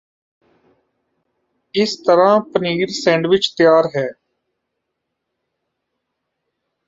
ਇਸ ਤਰ੍ਹਾਂ ਪਨੀਰ ਸੈਂਡਵਿਚ ਤਿਆਰ ਹੈ